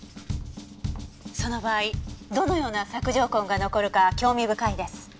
その場合どのような索条痕が残るか興味深いです。